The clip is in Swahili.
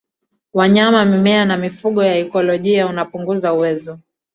wanyama mimea na mifumo ya ikolojia unapunguza uwezo